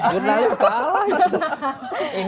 jurnalnya kalah itu